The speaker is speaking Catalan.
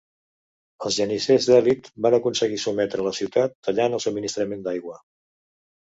Els geníssers d'elit van aconseguir sotmetre a la ciutat tallant el subministrament d'aigua.